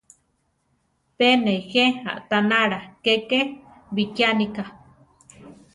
Pe nejé aʼtanála keke bikiánika.